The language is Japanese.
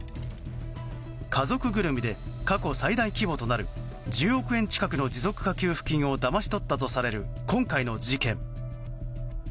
家族ぐるみで過去最大規模となる１０億円近くの持続化給付金をだまし取ったとされる今回の事件。